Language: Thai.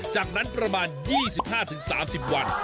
จากนั้นประมาณ๒๕๓๐วัน